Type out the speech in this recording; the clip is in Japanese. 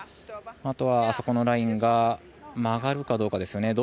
あとはあそこのラインが曲がるかどうかですよね。